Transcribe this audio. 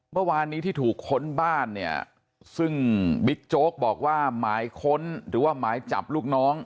เมื่อวานนี้ที่ถูกค้นบ้านเนี่ยซึ่งบิ๊กโจ๊กบอกว่าหมายค้นหรือว่าหมายจับลูกน้อง